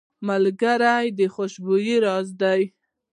ملګری د خوښیو راز دی.